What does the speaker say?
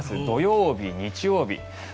土曜日、日曜日。